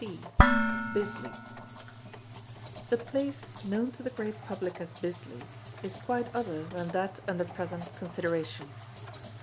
C. BISLEY The place known to the great public as Bisley is quite other than that under present consideration.